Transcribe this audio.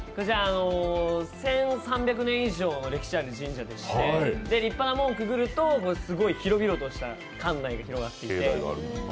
１３００年以上の歴史ある神社ですし、立派な門をくぐると広々とした館内が広がっていて。